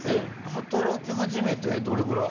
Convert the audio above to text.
働き始めてどれぐらい？